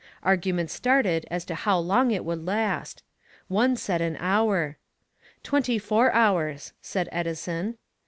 Arguments started as to how long it would last. One said an hour. "Twenty four hours," said Edison.